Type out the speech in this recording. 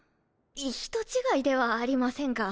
人違いではありませんか？